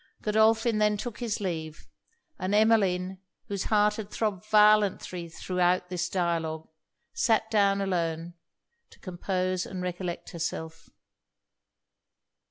Godolphin then took his leave; and Emmeline, whose heart had throbbed violently throughout this dialogue, sat down alone to compose and recollect herself.